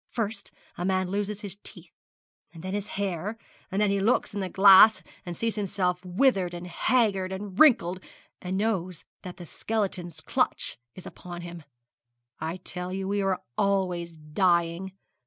First a man loses his teeth, and then his hair, and then he looks in the glass and sees himself withered, and haggard, and wrinkled, and knows that the skeleton's clutch is upon him. I tell you we are always dying.